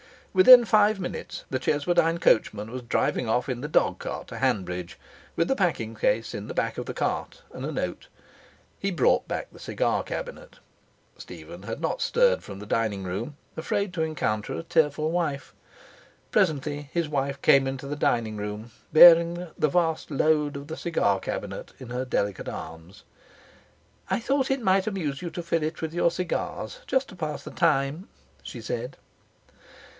Within five minutes the Cheswardine coachman was driving off in the dogcart to Hanbridge, with the packing case in the back of the cart, and a note. He brought back the cigar cabinet. Stephen had not stirred from the dining room, afraid to encounter a tearful wife. Presently his wife came into the dining room bearing the vast load of the cigar cabinet in her delicate arms. 'I thought it might amuse you to fill it with your cigars just to pass the time,' she said.